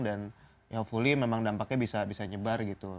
dan hopefully memang dampaknya bisa nyebar gitu